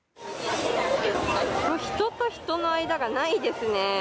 人と人の間がないですね。